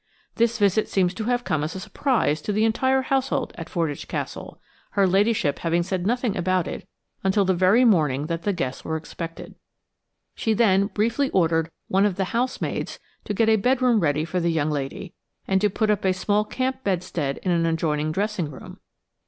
This visit seems to have come as a surprise to the entire household at Fordwych Castle, her ladyship having said nothing about it until the very morning that the guests were expected. She then briefly ordered one of the housemaids to get a bedroom ready for a young lady, and to put up a small camp bedstead in an adjoining dressing room.